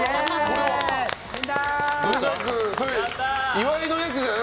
岩井のやつじゃん